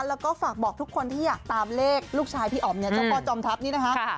แล้วก็ฝากบอกทุกคนที่อยากตามเลขลูกชายพี่อ๋อมเนี่ยเจ้าพ่อจอมทัพนี่นะคะ